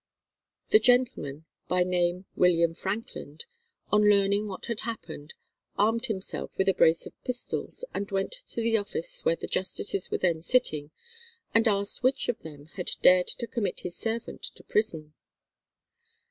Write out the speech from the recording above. "The gentleman," by name William Frankland, on learning what had happened, armed himself with a brace of pistols, and went to the office where the justices were then sitting, and asked which of them had dared to commit his servant to prison.